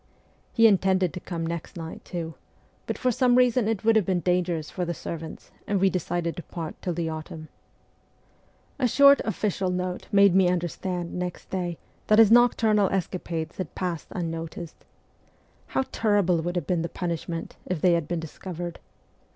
He intended to come next night, too, but for some reason it would have been dangerous for the servants, and we decided to part till the autumn. A short ' official ' note made me understand next day that his nocturnal escapades had passed unnoticed. How terrible would have been the punishment, if they had been discovered.